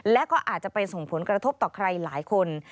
และก็อาจจะไปส่งผลกระทบต่อใครหลายคน